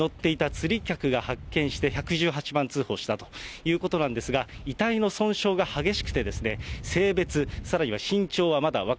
ボートに乗っていた釣り客が発見して１１８番通報したということなんですが、遺体の損傷が激しくて、性別、さらには身長はまだ分